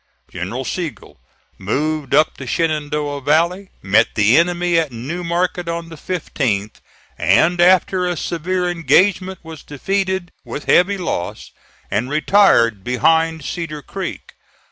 General Sigel moved up the Shenandoah Valley, met the enemy at New Market on the 15th, and, after a severe engagement, was defeated with heavy loss, and retired behind Cedar Creek.